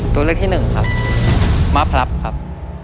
ตัวเลือกที่หนึ่งครับมะพลับครับ